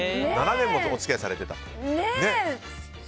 ７年もお付き合いされていたと。